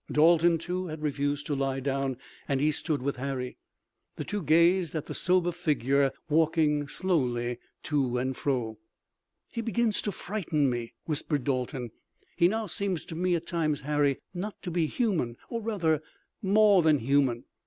Dalton, too, had refused to lie down and he stood with Harry. The two gazed at the sober figure walking slowly to and fro. "He begins to frighten me," whispered Dalton. "He now seems to me at times, Harry, not to be human, or rather more than human.